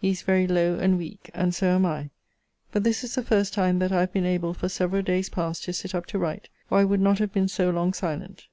He is very low and weak. And so am I. But this is the first time that I have been able, for several days past, to sit up to write, or I would not have been so long silent.